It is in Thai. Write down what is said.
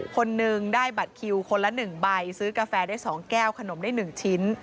คนหนึ่งได้บัตรคิวคนละ๑ใบซื้อกาแฟได้๒แก้วขนมได้๑ชิ้น